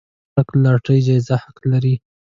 خلک لاټرۍ جايزه حق لري.